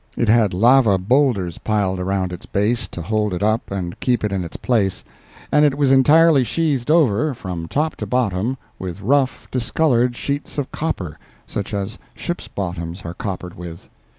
It had lava boulders piled around its base to hold it up and keep it in its place, and it was entirely sheathed over, from top to bottom, with rough, discolored sheets of copper, such as ships' bottoms are coppered with.